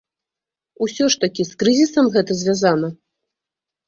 Усё ж такі з крызісам гэта звязана?